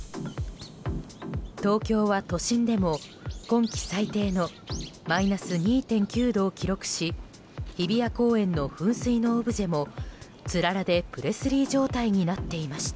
東京は都心でも今季最低のマイナス２．９度を記録し日比谷公園の噴水のオブジェもつららでプレスリー状態になっていました。